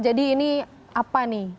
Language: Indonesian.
jadi ini apa nih